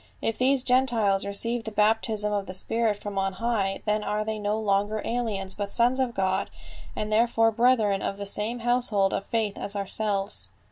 If these Gentiles receive the baptism of the Spirit from on high, then are they no longer aliens but sons of God and therefore brethren of the same household of faith as ourselves."